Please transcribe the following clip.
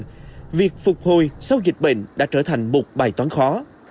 vì vậy việc phục hồi sau dịch bệnh đã trở thành một bài toán khó